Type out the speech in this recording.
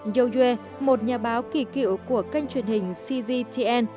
yeo yue một nhà báo kỳ cựu của kênh truyền hình cgtn